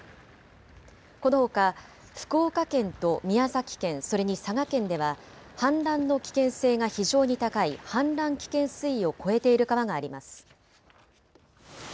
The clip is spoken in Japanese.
このほか福岡県と宮崎県、それに佐賀県では氾濫の危険性が非常に高い氾濫危険水位を超えている川があります。